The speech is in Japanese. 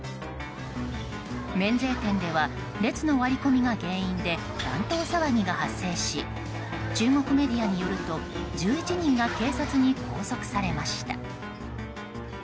免税店では列の割り込みが原因で乱闘騒ぎが発生し中国メディアによると１１人が警察に拘束されました。